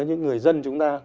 những người dân chúng ta